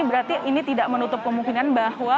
berarti ini tidak menutup kemungkinan bahwa